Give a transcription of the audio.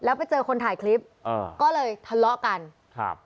แล้วไปเจอคนถ่ายคลิปอ่าก็เลยทะเลาะกันครับ